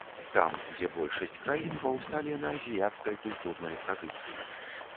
Там, дзе большасць краін паўсталі на азіяцкай культурнай традыцыі.